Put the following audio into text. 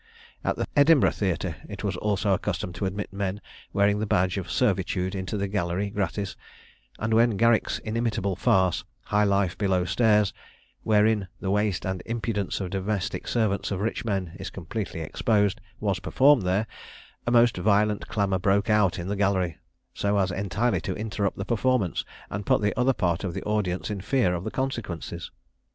At the Edinburgh theatre it was also a custom to admit men wearing the badge of servitude into the gallery gratis; and when Garrick's inimitable farce, "High Life Below Stairs," wherein the waste and impudence of domestic servants of rich men is completely exposed, was performed there, a most violent clamour broke out in the gallery, so as entirely to interrupt the performance, and put the other part of the audience in fear of the consequences.